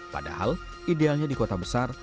padahal idealnya di kota besar